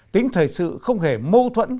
tính thời sự không hề mâu thuẫn